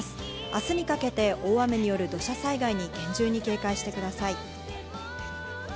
明日にかけて大雨による土砂災害に厳重に警戒してください。